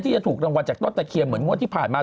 จะถูกรางวัลจากต้นตะเคียนเหมือนงวดที่ผ่านมา